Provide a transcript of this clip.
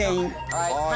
はい。